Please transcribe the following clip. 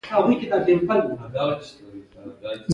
زه لکه پرخه